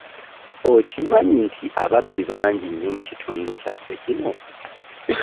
Okimanyi nti ababbi bangi nnyo mu kitundu kyaffe kino?